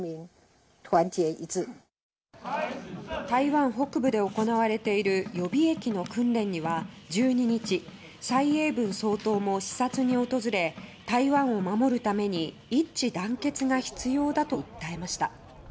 台湾北部で行われている予備役の訓練には１２日蔡英文総統も視察に訪れ台湾を守るために一致団結が必要だと訴えました。